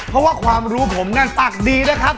เพราะว่าความรู้ผมนั่นปากดีนะครับ